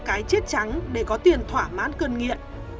cái chết trắng để có tiền thỏa mãn cơn nghiện